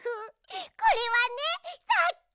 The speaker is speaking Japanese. これはねさっき。